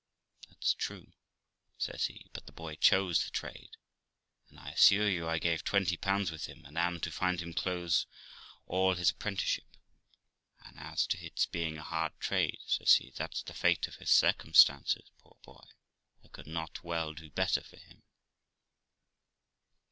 'That's true', says he ; 'but the boy chose the trade, and I assure you I gave 20 with him, and am to find him clothes all his apprenticeship ; and as to its being a hard trade ', says he, ' that's the fate of his circumstances, poor boy. I could not well do better for him.'